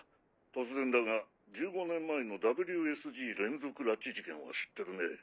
突然だが１５年前のＷＳＧ連続拉致事件は知ってるね？